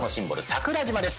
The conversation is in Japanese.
桜島です